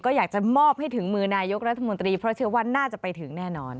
ก็อยากจะมอบให้ถึงมือนายกรัฐมนตรีเพราะเชื่อว่าน่าจะไปถึงแน่นอน